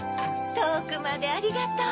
とおくまでありがとう。